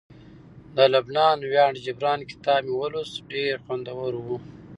د لبنان ویاړ جبران کتاب مې ولوست ډیر خوندور وو